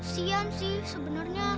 sian sih sebenarnya